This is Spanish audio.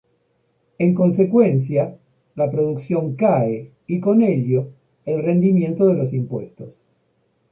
En consecuencia, la producción cae y con ello el rendimiento de los impuestos.